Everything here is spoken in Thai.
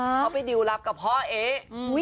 เขาไปดิวรับกับพ่อเอ๊ะ